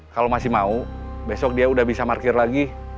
kalau masih mau besok dia udah bisa parkir lagi